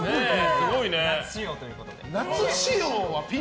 夏仕様ということで。